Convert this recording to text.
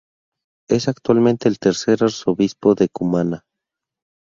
Es actualmente es el tercer Arzobispo de Cumaná.